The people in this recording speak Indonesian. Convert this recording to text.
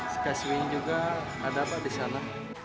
sky swing juga ada apa di sana